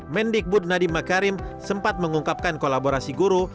mendikbud nadiem makarim sempat mengungkapkan kolaborasi guru